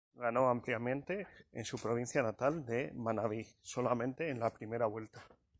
Ganó ampliamente en su provincia natal de Manabí solamente en la primera vuelta.